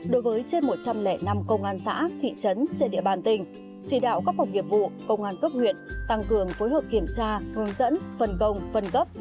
đối với trên một trăm linh năm công an xã thị trấn trên địa bàn tỉnh chỉ đạo các phòng nghiệp vụ công an cấp huyện tăng cường phối hợp kiểm tra hướng dẫn phân công phân cấp